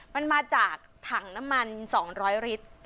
มันมาจากถังน้ำมัน๒๐๐ลิตร